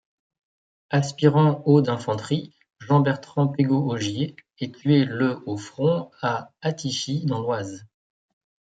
Aspirant au d'infanterie, Jean-Bertrand Pégot-Ogier est tué le au front à Attichy dans l'Oise.